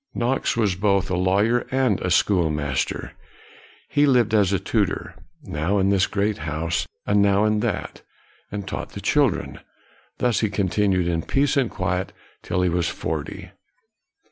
Knox was both a law yer and a schoolmaster. He lived as a tutor, now in this great house and now in that, and taught the children. Thus he continued in peace and quiet till he was forty.